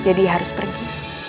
jadi harus pergi